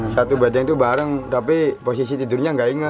satu bedeng itu bareng tapi posisi tidurnya gak inget